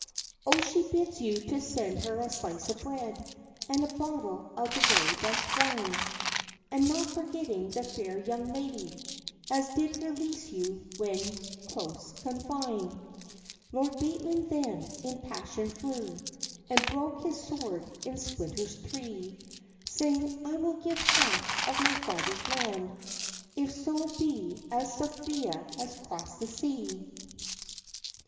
"O she bids you to send her a slice of bread, And a bottle of the very best wine, And not forgetting the fair young lady As did release you when close confine." Lord Bateman then in passion flew, And broke his sword in splinters three, Saying, "I will give half of my father's land, If so be as Sophia has crossed the sea."